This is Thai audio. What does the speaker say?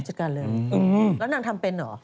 จัดการเลยแล้วนางทำเป็นเหรอ